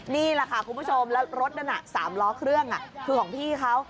นี่แหละค่ะคุณผู้ชมแล้วรถนั้น๓ล้อเครื่องคือของพี่เขา